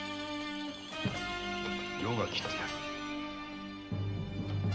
余が斬ってやる。